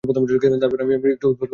তারপর আমি আমার একটা অদ্ভুদ কথা বলব।